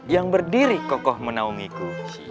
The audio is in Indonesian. yang berdiri kokoh menaungiku